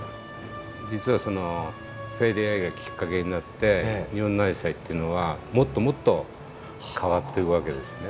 実はそのフェアリーアイがきっかけになって日本のアジサイっていうのはもっともっと変わってくわけですね。